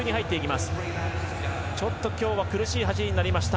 ちょっと今日は苦しい走りになりました。